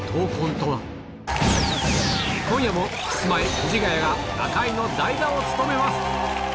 今夜もキスマイ・藤ヶ谷が中居の代打を務めます